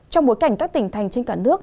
trong bối cảnh các tỉnh thành trên cả nước